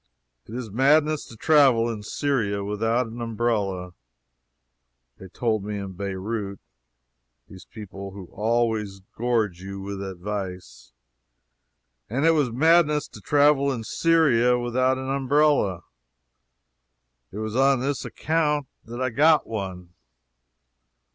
It is madness to travel in Syria without an umbrella. They told me in Beirout (these people who always gorge you with advice) that it was madness to travel in Syria without an umbrella. It was on this account that I got one.